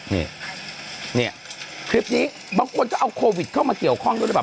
นี่เนี่ยคลิปนี้บางคนก็เอาโควิดเข้ามาเกี่ยวข้องด้วยหรือเปล่า